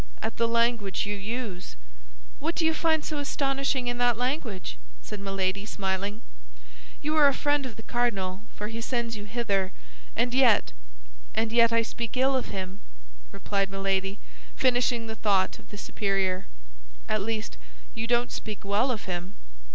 "At the language you use." "What do you find so astonishing in that language?" said Milady, smiling. "You are the friend of the cardinal, for he sends you hither, and yet—" "And yet I speak ill of him," replied Milady, finishing the thought of the superior. "At least you don't speak well of him."